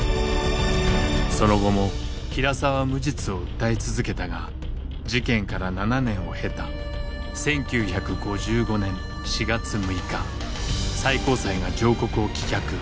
その後も平沢は無実を訴え続けたが事件から７年を経た１９５５年４月６日最高裁が上告を棄却。